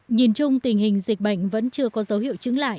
nhìn chung tình hình dịch bệnh vẫn chưa có dấu hiệu